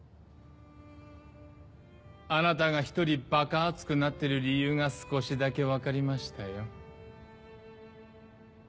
あなたが一人ばか熱くなっている理由が少しだけ分かりましたよ。